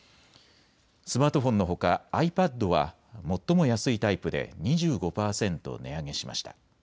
スマートフォンのほかｉＰａｄは最も安いタイプで２５％値上げしました。